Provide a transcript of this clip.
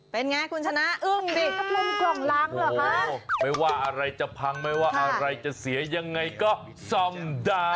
เป็นไงคุณชนะอึ้มดิไม่ว่าอะไรจะพังไม่ว่าอะไรจะเสียยังไงก็ซ่อมได้